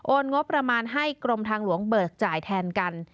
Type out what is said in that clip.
งบประมาณให้กรมทางหลวงเบิกจ่ายแทนกัน